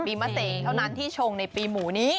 มะเสกเท่านั้นที่ชงในปีหมูนี้